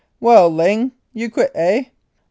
"Well, Ling! You quit, eh ?